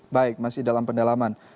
baik masih dalam pendalaman